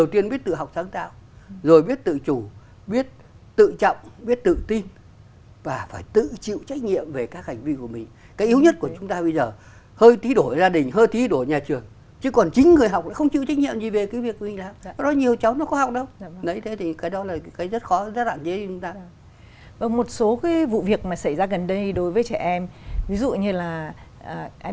rất khó rất là dễ dàng ra một số cái vụ việc mà xảy ra gần đây đối với trẻ em ví dụ như là em